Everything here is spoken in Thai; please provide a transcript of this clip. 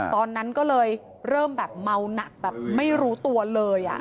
ตอนนั้นก็เลยเริ่มแบบเมาหนักแบบไม่รู้ตัวเลย